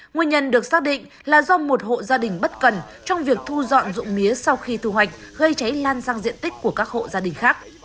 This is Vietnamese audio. nguyên nhân được xác định là do một hộ gia đình bất cần trong việc thu dọn dụng mía sau khi thu hoạch gây cháy lan sang diện tích của các hộ gia đình khác